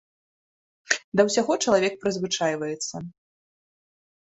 Да ўсяго чалавек прызвычайваецца.